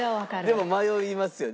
でも迷いますよね。